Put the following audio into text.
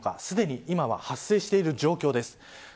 すでに今発生している状況です。